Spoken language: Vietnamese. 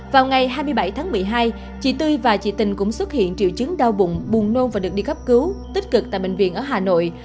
vào ngày hai mươi bảy tháng một mươi hai chị tươi và chị tình cũng xuất hiện triệu chứng đau bụng buồn nôn và được đi cấp cứu tích cực tại bệnh viện ở hà nội